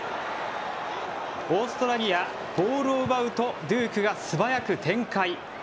オーストラリア、ボールを奪うとデュークが素早く展開。